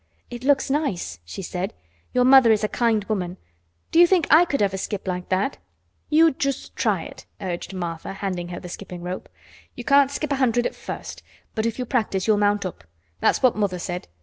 "It looks nice," she said. "Your mother is a kind woman. Do you think I could ever skip like that?" "You just try it," urged Martha, handing her the skipping rope. "You can't skip a hundred at first, but if you practice you'll mount up. That's what mother said.